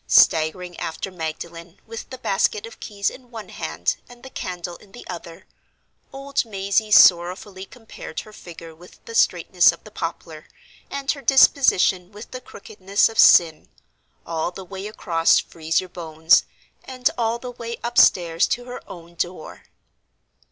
Staggering after Magdalen, with the basket of keys in one hand and the candle in the other, old Mazey sorrowfully compared her figure with the straightness of the poplar, and her disposition with the crookedness of Sin, all the way across "Freeze your Bones," and all the way upstairs to her own door.